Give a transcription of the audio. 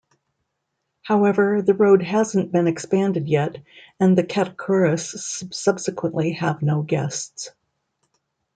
However, the road hasn't been expanded yet and the Katakuris subsequently have no guests.